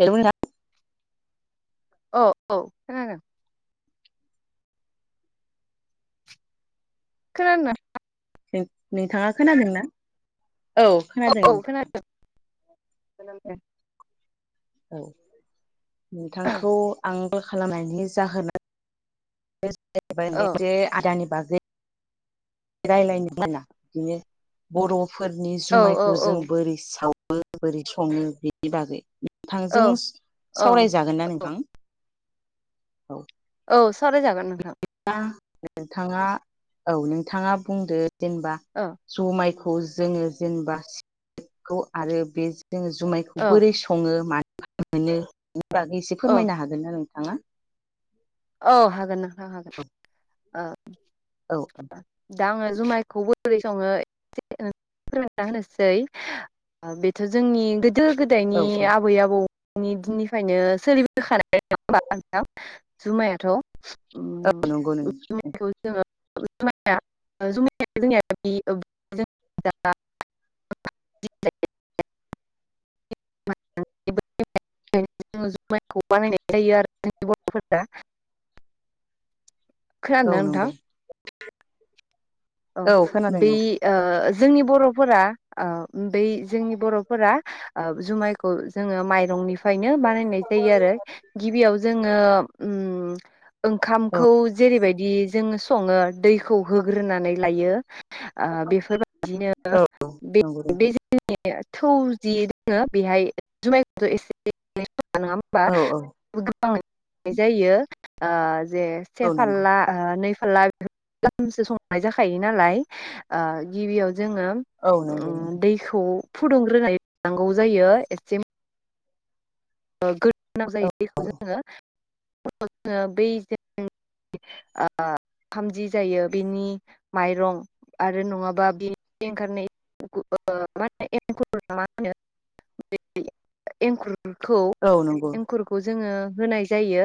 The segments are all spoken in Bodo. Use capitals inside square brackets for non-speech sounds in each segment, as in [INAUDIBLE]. ए बुंा औ औ खोनादों खनाा नोंथाङा खोनादोंना औ खोनादों नोंथां ज औ नोंथांखौ आंबो खालामनायनि जाहोना औ ज आदानि बागै रायलायनो [UNINTELLIGIBLE] बर'फोरनि औ जुमायखौ औ जों बोरै साव बोरै बोरै सावो बेनि बागै औ नोंथांजों सावरायजागोन ना नोंथां औ औ सावराय जागोन नोंथां दा नोंथाङा औ नोंथाङा बुंदो जेनेबा ओं जुमायखौ जोङो जेनेबा आरो बे जो जुमायखौ औ बोरै सङो मानिफाय मोनो बेनि बागै एसे औ फोरमायनो हागोन ना नोंथाङा औ हागोन नोंथां हागोन औ ओ दा आङो जुमायखौ बोरै सङो एसे फोरमायना होनोसै ओ बेथ' जोंनि गो गोदो औ गोदायनि आबै आबौनि दिननिफ्रायनो सोलिबोखानाय [UNINTELLIGIBLE] जुमायाथ' औ नंगौ नों [UNINTELLIGIBLE] जोंनिया [UNINTELLIGIBLE] जुमायखौ बानायनाय जायो [UNINTELLIGIBLE] खोनादों औ ना नंगौ नोंथां औ खोनादों बै नोंथां ओ जोंनि बर'फोरा बै जोंनि बर'फोरा ओ जुमायखौ जोङो माइरंनि फयनो बानायनाय जायो आरो गिबियाव जोङो उम औ ओंखामखौ जेरैबायदि जोङो सङो दैखौ होग्रोनानै लायो ओ बेफोरबायदिनो औ बे नंगौ नोंथां [UNINTELLIGIBLE] [UNINTELLIGIBLE] औ औ [UNINTELLIGIBLE] जायो ओ जे से औ नंगौ फारला नै फारला [UNINTELLIGIBLE] खायो नालाय ओ गिबियाव जोङो औ नंगौ उम नोंथां दैखौ फुदुंग्रोनाय नांगौ जायो एसे [UNINTELLIGIBLE] ओ ओंखाम जि जायो बिनि माइरं आरो नङाबा बे ओंखारनाय [UNINTELLIGIBLE] [UNINTELLIGIBLE] एंखुर खौ औ नंगौ एंखुरखौ जोङो होनाय जायो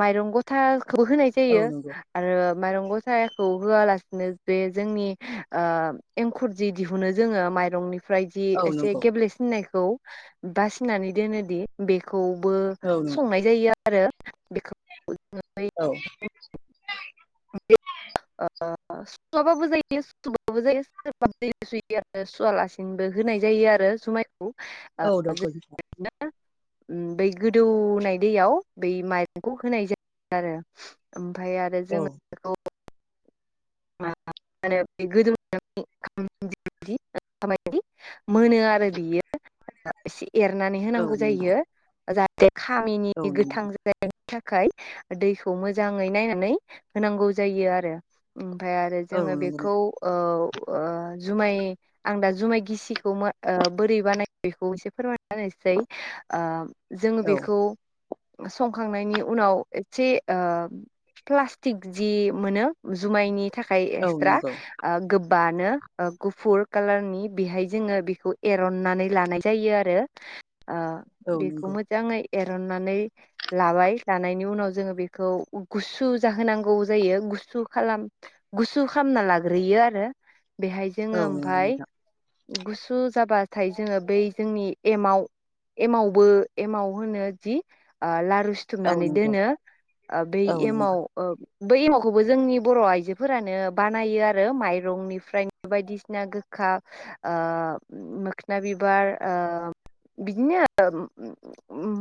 माइरं गथाखौबो होनाय औ जायो नंगौ आरो माइरं गथाखौ होआलासिनो बे जोंनि ओ एंखुर जि दिहुनो जोङो माइरंनि ओमफ्रायदि औ एसे नंगौ गेब्लेसिननायखौ बासिनानै दोनो दि बेखौबो औ नंगौ संनाय जायो आरो औ [UNINTELLIGIBLE] [UNINTELLIGIBLE] सुवाबाबो जायो सुबाबो जायो [UNINTELLIGIBLE] सुवालासिनोबो होनाय जायो आरो जुमाय [UNINTELLIGIBLE] औ नंगौ नोंथां बै गोदौनाय दैयाव बै माइरंखौ होनाय जायो आरो ओमफाय आरो आरो औ जोङो बेखौ [UNINTELLIGIBLE] मोनो आरो बियो एसे एरनानै औ नंगौ औ होनांगौ नंगौ जायो जाहाथे खामिनि औ गोथां जायिनि थाखाय दैखौ मोजाङै नायनानै होनांगौ जायो आरो ओमफ्राय आरो जोङो नंगौ बेखौ नोंथां ओ ओ जुमाय आं दा जुमाय गिसिखौ ओ बोरै बानायो बेखौ एसे फोरमायनोसै जोङो औ बेखौ संखांनायनि उनाव एसे ओ प्लास्टिक जि मोनो जुमायनि थाखाय औ एक्सट्रा नंगौ ओ गोबानो गुफुर कालारनि बेहाय जोङो बेखौ एरननानै लानाय जायो आरो ओ औ बेखौ नंगौ मोजाङै एरननानै लाबाय लानायनि उनाव जोङो बेखौ गुसु जाहोनांगौ जायो गुसु खालाम गुसु खालामना लाग्रोयो आरो बेहाय औ जोङो नंगौ ओमफ्राय नोंथां गुसु जाबाथाय जोङो बै जोंनि एमाव एमावबो एमाव होनो जि ओ लारु औ सिथुमनानै नंगौ दोनो ब औ नंगौ एमाव बै एमावखौबो जोंनि बर' आइजोफोरानो बानायो आरो माइरंनिफ्रायनो बायदिसिना गोखा मोखना बिबार बिदिनो आरो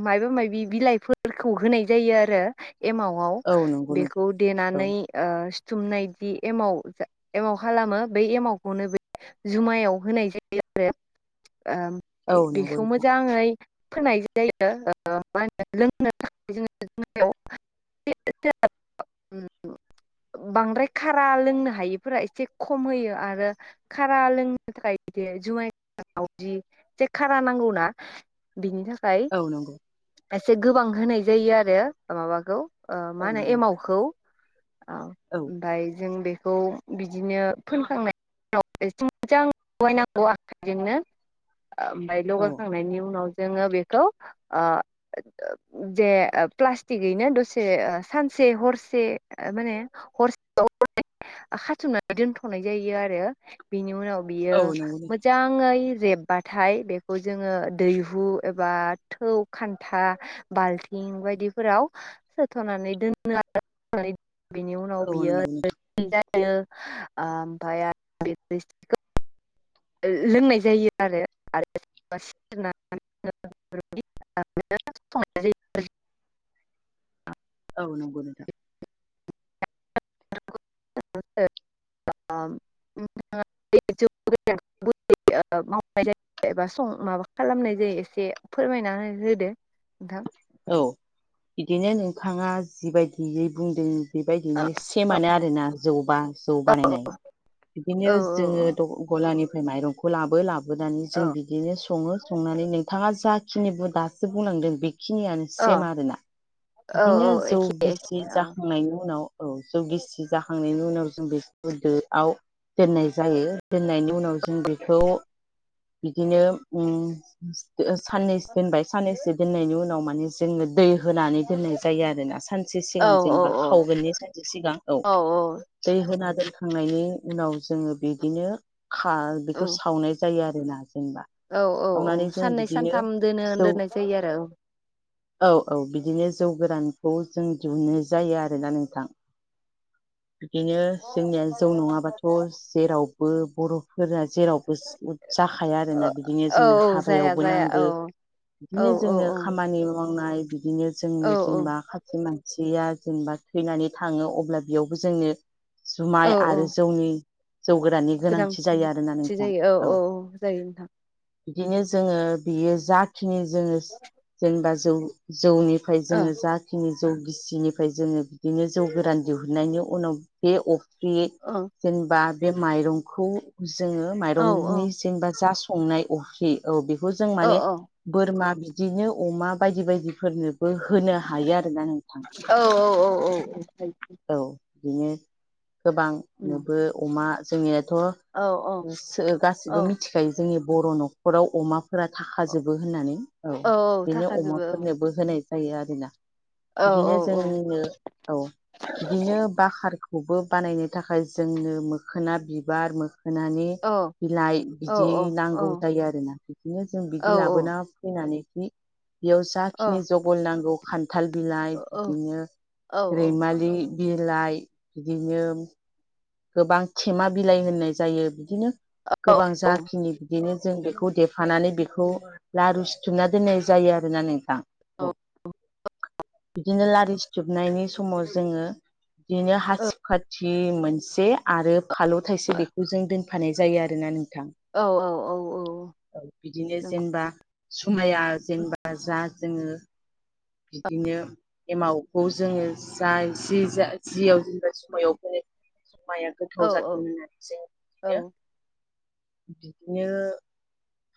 मायाबा माबि बिलाइफोरखौ होनाय जायो आरो एमावआव औ नंगौ नोंथां बेखौ औ देनानै सिुथुमनायदि एमाव जा एमाव खालामो बै एमावखौनो बे जुमायाव होनाय जायो आरो औ ओ नंगौ बेखौ नोंथां मोजाङै फोनाय जायो मा होनो लोंनो थाखाय [UNINTELLIGIBLE] बांद्राय खारा लोंनो हायिफोरा एसे खम होयो आरो खारा लोंनो थाखाय बिदि जुमायदि जे खारा नांगौना बिनि थाखाय औ नंगौ औ नंगौ एसे गोबां होनाय जायो आरो माबाखौ आ मा होनो एमावखौ ओमफाय जों बेखौ बिदिनो फोनखांनाय एसे मोजां लगायनांगौ आखाइजोंनो ओमफ्राय औ लगायखांनायनि उनाव जोङो बेखौ ओ जे प्लास्टिकैनो दसे सानसे हरसे माने हरसे बा हरनै खाथुमनानै दोनथनाय जायो आरो बिनि उनाव बियो औ नंगौ नोंथां मोजाङै जेब बाथाय बेखौ जोङो दैहु एबा थौ खान्था बाल्थिं बायदिफोराव सोथनानै दोनो आरो बेनि उनाव औ बियो नंगौ नोंथां जायो ओमफ्राय आरो बिनि रोसिखौ लोंनाय जायो आरो [UNINTELLIGIBLE] [UNINTELLIGIBLE] औ नंगौ नोंथां [UNINTELLIGIBLE] [UNINTELLIGIBLE] मावनाय जायो एबा सं माबा खालामनाय जायो एसे फोरमायना होदो नोंथां औ बिदिनो नोंथाङा जिबायदियै बुंदों औ बेबायदिनो औ सेमानो आरोना जौबा जौ बानायनाय बिदिनो औ जोङो गलानिफ्राय माइरंखौ लाबो लाबोनानै जों औ बिदिनो सङो संनानै नोंथाङा जा खिनिखौ दासो बुंलांदों बेखिनियानो सेम औ आरोना औ बिदिनो औ जौ एखे गिसि औ जाखांनायनि उनाव औ जौ गिसि जाखांनायनि उनाव जों बेखौ दोआव दोननाय जायो दोननायनि उनाव जों बेखौ बिदिनो साननैसो दोनबाय साननैसो दोननायनि उनाव माने जोङो दै होनानै दोननाय जायो आरोना सानसे औ सिगां औ जेनेबा खावगोननि सानसे सिगां औ दै होना दोनखांनायनि उनाव जोङो बिदिनो खा बेखौ औ सावनाय जायो आरोना जेनेबा औ औ औ सावनानै जों साननै बिदिनो सानथाम दोनो जौ दोननाय जायो आरो औ औ औ बिदिनो जौ गोरानखौ जों दिहुनाय जायो आरोना नोंथां बिदिनो जोंनिया जौ नङाबाथ जेरावबो बर' फोरा जेरावबो जाखाया औ आरोना बिदिनो औ जोंनो औ जाया हाबायावबो जाया औ नांगो औ बिदिनो औ जोंनो खामानि मावनाय बिदिनो औ जोंनो जेनबा सासे मानसिया जेनेबा थैनानै थाङो अब्ला बेयावबो जोंनो औ जुमाय आरो औ जौनि जौ गोराननि गोनांथि जायो आरोना नोंथां औ बिदिनो जोङो बियो जाखिनि जोङो जेनेबा जौ जौनि फ्राय औ जोङो जाखिनि जौ गिसिनिफ्राय जोङो बिदिनो जौ गोरान दिहुननायनि उनाव बे अफ्रि ओं जेनेबा बे माइरंखौ जोङो औ औ माइरंनि जेनेबा जा संनाय अफ्रि औ बेखौ जों औ माने बोरमा बिदिनो अमा बायदि बायदिफोरनोबो होनो हायो आरोना नोंथां औ औ औ औ औ औ बिदिनो गोबां नोबो अमा औ जोंनियाथ' औ गासिबो औ मिथिखायो जोंनि बर' न'खराव अमा फोरा थाखाजोबो होननानै औ बिनो अमाफोरनोबो होनाय जायो आरोना औ बिदिनो औ औ जोंनिनो औ बिदिनो बाखारखौबो बानायनो थाखाय जोंनो मोखोना बिबार मोखोनानि औ बिलाइ औ बिदि नांगौ औ जायो आरोना बिदिनो जों औ बिदि लाबोना फैनानै जि बेयाव औ जाखिनि जगल नांगौ खान्थाल बिलाइ औ औ औ बिदिनो रैमालि बिलाइ बिदिनो गोबां खेमा बिलाइ होननाय जायो बिदिनो गोबां जा खिनि बिदिनो जों बेखौ देफानानै बेखौ लारु सिथुमना दोननाय जायो आरोना नोंथां औ बिदिनो लारि सिथोबनायनि समाव जोङो बिदिनो हासिबखाथि मोनसे आरो फालौ थाइसे बेखौ जों दोन होफानाय जायो आरोना नोंथां औ औ औ औ औ बिदिनो नंगौ जेनेबा जुमाया जेनेबा जा जोङो बिदिनो एमावखौ जोङो जा एसे जियाव जेनेबा जुमायाव फोनो जुमायाव औ गोथाव जादों होननानै जों औ बिदिनो बिदिनो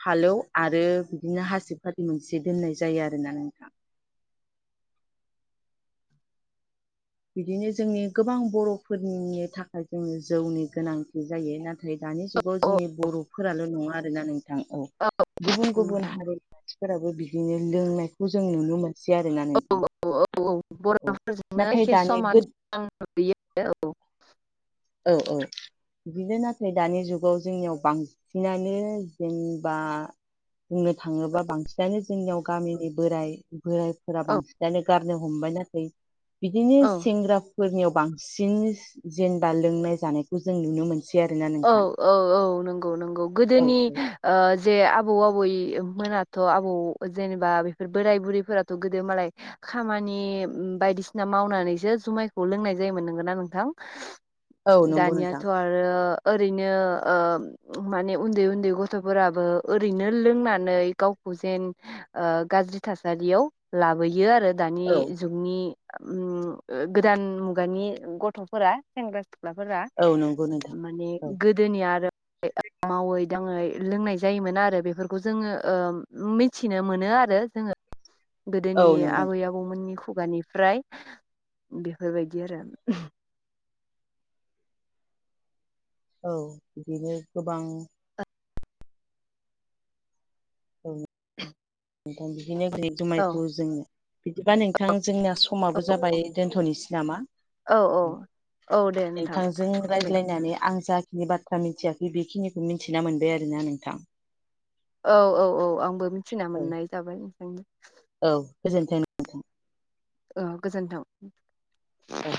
फालौ आरो बिदिनो हासिब खाथि मोनसे दोननाय जायो आरोना नोंथां बिदिनो जोंनि गोबां बर'फोरनिनि थाखाय जोङो जौनि गोनांथि जायो नाथाय नाथाय दानि जुगाव औ जोंनि बर'फोराल' नङा आरोना नोंथां औ गुबुन गुबुन नोंथां हारि मानसिफोराबो बिदिनो लोंनायखौ जों नुनो मोनसै आरोना औ नोंथां औ औ औ औ बर'फोरजोंनो नाथाय एखे दानि समान गो समान जों नुयो औ औ औ बिदिनो नाथाय दानि जुगाव जोंनियाव बांसिनानो जेनबा बुंनो थाङोबा बांसिनानो जोंनियाव गामिनि बोराय बोरायफोरा औ बांसिनानो गारनो हमबाय नाथाय बिदिनो औ सेंग्रा फोरनियाव बांसिन जेनबा लोंनाय जानायखौ जों नुनो मोन- सै आरोना औ नोंथां औ औ नंगौ नंगौ औ गोदोनि ओ जे आबौ आबै मोनाथ' आबौ जेनेबा बेफोर बोराय बुरैफोराथ' गोदो मालाय खामानि बायदिसिना मावनानैसो जुमायखौ लोंनाय जायोमोन नोंगोना नोंथां औ नंगौ नोंथां दानियाथ' आरो ओरैनो ओ माने उन्दै उन्दै गथ'फोराबो ओरैनो लोंनानै गावखौ जेन ओ गाज्रि थासारियाव लाबोयो आरो दानि औ जुगनि उम ओ गोदान मुगानि गथ'फोरा सेंग्रा- सिख्लाफोरा औ नंगौ नोंथां माने औ गोदोनि आरो [UNINTELLIGIBLE] मावै दाङै लोंनाय जायोमोन आरो बेफोरखौ जोङो ओ‌ मिनथिनो मोनो आरो जोङो औ गोदोनि नंगौ आबै नोंथां। आबौ आबौमोननि खुगानिफ्राय बेफोरबायदि आरो औ बिदिनो गोबां औ [INAUDIBLE] नोंथां बिदिनो बोरै औ जुमाइखौ जोङो बिदिबा नोंथां जोंना समाबो जाबाय दोनथ'निसै नामा औ औ औ दे नोंथां नोंथांजों राय दे ज्लायनानै आं जाखिनि बाथ्रा मिनथियाखै बेखिनिखौ मिनथिना मोनबाय आरोना नोंथां औ औ औ आंबो मिथिना औ मोननाय जाबाय नोंथांनो औ गोजोनथों ओ गोजोन्थों औ